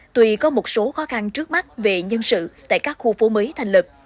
tuy có một số khó khăn trước mắt về nhân sự tại các khu phố mới thành lập